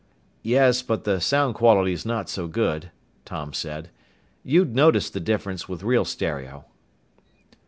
"Yes, but the sound quality's not so good," Tom said. "You'd notice the difference with real stereo."